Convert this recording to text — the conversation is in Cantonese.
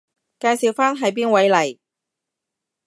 介紹返係邊位嚟？